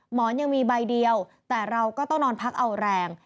หมอนยังมีใบเดียวแต่เราก็ต้องนอนพักเอาแรง